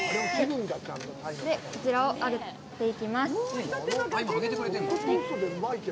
こちらを揚げていきます。